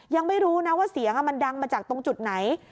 ยังไม่รู้นะว่าเสียงมันดังมาจากตรงจุดไหน